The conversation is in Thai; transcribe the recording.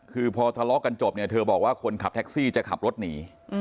คือพอสละกันจบเธอบอกว่าคนขับแท็กซี่จะขับรถหนี